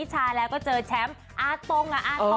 จะเห่ยิง